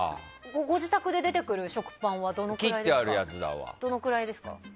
ご自宅で出てくる食パンはどのくらいですか？